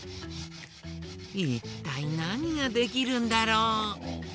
いったいなにができるんだろう？